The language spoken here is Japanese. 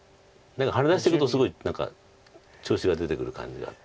ハネ出してくるとすごい何か調子が出てくる感じがあって。